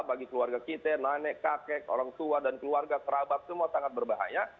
bagi keluarga kita nenek kakek orang tua dan keluarga kerabat semua sangat berbahaya